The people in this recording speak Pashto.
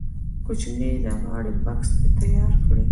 کوچنی د غاړې بکس دې تیار کړي.